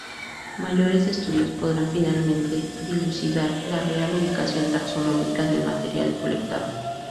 Mayores estudios podrán finalmente dilucidar la real ubicación taxonómica del material colectado.